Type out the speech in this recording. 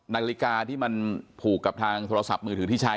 นาฬิกาที่มันผูกกับทางโทรศัพท์มือถือที่ใช้